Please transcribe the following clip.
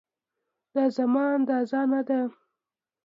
دا زما اندازه نه ده